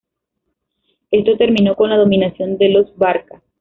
Esto terminó con la dominación de los Barca.